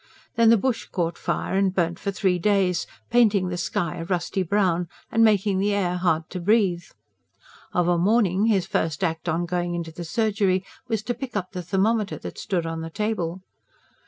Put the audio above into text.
Then the bush caught fire and burnt for three days, painting the sky a rusty brown, and making the air hard to breathe. Of a morning his first act on going into his surgery was to pick up the thermometer that stood on the table.